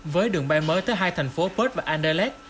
với đường bay mới tới hai thành phố bird và adelaide